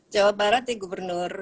jawa barat ya gubernur